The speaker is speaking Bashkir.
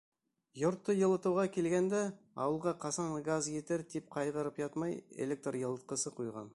Йортто йылытыуға килгәндә, ауылға ҡасан газ етер, тип ҡайғырып ятмай, электр йылытҡысы ҡуйған.